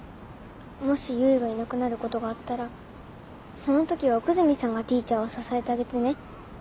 もし唯がいなくなることがあったらその時は奥泉さんがＴｅａｃｈｅｒを支えてあげてね。